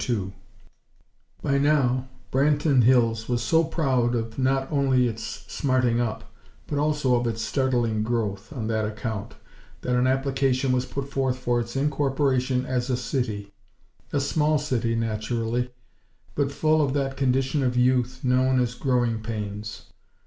II By now, Branton Hills was so proud of not only its "smarting up," but also of its startling growth, on that account, that an application was put forth for its incorporation as a city; a small city, naturally, but full of that condition of Youth, known as "growing pains."